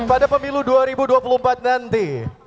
pada pemilu dua ribu dua puluh empat nanti